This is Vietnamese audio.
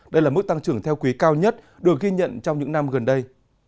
đây là mức tăng trưởng theo quý cao nhất được ghi nhận trong những năm gần đây